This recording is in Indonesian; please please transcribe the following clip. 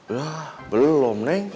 lah belum neng